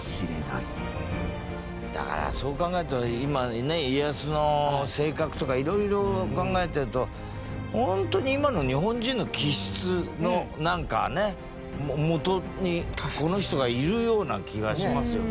だからそう考えると今ね家康の性格とか色々考えてるとホントに今の日本人の気質のなんかね元にこの人がいるような気がしますよね。